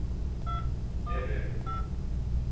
Ne be?